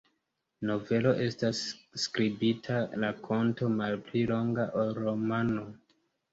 Novelo estas skribita rakonto, malpli longa ol romano.